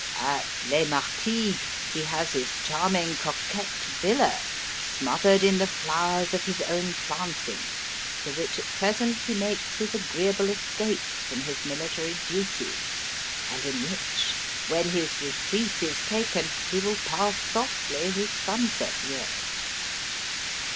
At Les Martigues he has his charming coquette villa, smothered in the flowers of his own planting, to which at present he makes his agreeable escapes from his military duties; and in which, when his retreat is taken, he will pass softly his sunset years.